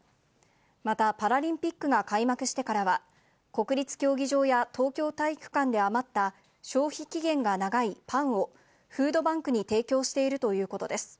またパラリンピックが開幕してからは、国立競技場や東京体育館で余った消費期限が長いパンを、フードバンクに提供しているということです。